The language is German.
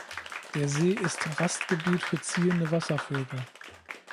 Der See ist Rastgebiet für ziehende Wasservögel.